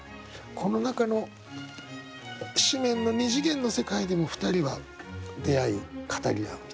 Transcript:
この中の紙面の２次元の世界での２人は出会い語り合うみたいな世界。